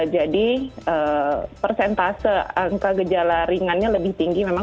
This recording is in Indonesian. jadi persentase angka gejala ringannya lebih tinggi memang